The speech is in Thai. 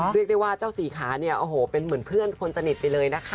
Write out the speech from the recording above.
เรียกได้ว่าเจ้าสี่ขาเนี่ยโอ้โหเป็นเหมือนเพื่อนคนสนิทไปเลยนะคะ